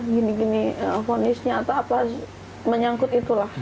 gini gini ponisnya atau apa menyangkut itulah